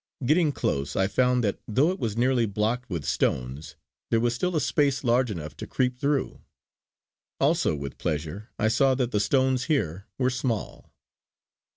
Getting close I found that though it was nearly blocked with stones there was still a space large enough to creep through. Also with pleasure I saw that the stones here were small.